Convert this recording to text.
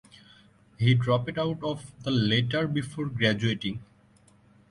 He dropped out of the latter before graduating.